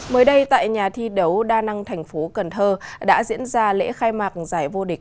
mới đây tại nhà thi đấu đa năng thành phố cần thơ đã diễn ra lễ khai mạc giải vô địch